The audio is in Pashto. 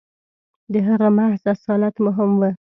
• د هغه محض اصالت مهم و.